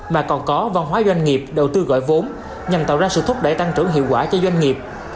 mà còn có văn hóa doanh nghiệp đầu tư gọi vốn nhằm tạo ra sự thúc đẩy tăng trưởng hiệu quả cho doanh nghiệp